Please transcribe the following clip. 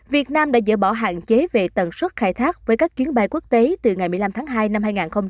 việt nam đã dỡ bỏ hạn chế về tần suất khai thác với các chuyến bay quốc tế từ ngày một mươi năm tháng hai năm hai nghìn hai mươi